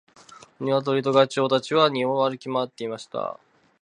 ニワトリとガチョウたちは庭を歩き回っていました。